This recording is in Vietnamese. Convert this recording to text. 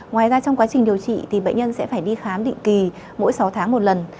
ngoài ra trong quá trình điều trị thì bệnh nhân sẽ phải đi khám định kỳ mỗi sáu tháng một lần